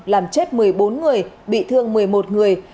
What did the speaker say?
làm chết một mươi bốn người bị thương một mươi một người